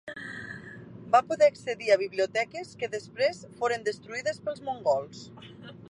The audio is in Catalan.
Va poder accedir a biblioteques que després foren destruïdes pels mongols.